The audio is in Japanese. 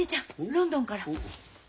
ロンドンから。